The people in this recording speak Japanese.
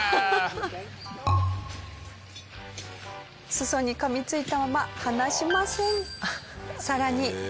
裾に噛みついたまま離しません。